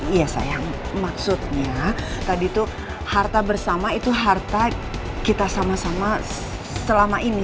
iya sayang maksudnya tadi itu harta bersama itu harta kita sama sama selama ini